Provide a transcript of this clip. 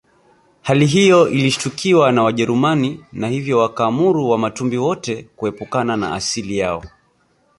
Hali hiyo ilishtukiwa na Wajerumani na hivyo wakaamuru Wamatumbi wote kuepukana na asili yao